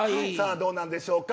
どうなんでしょうか。